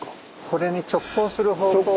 これに直交する方向。